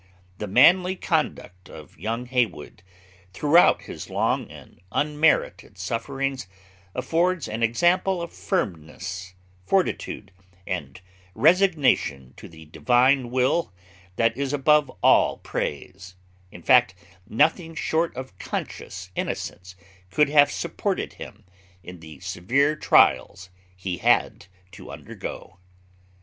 The manly conduct of young Heywood, throughout his long and unmerited sufferings, affords an example of firmness, fortitude, and resignation to the Divine will, that is above all praise; in fact, nothing short of conscious innocence could have supported him in the severe trials he had to undergo.